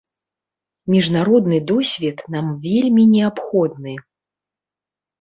Міжнародны досвед нам вельмі неабходны.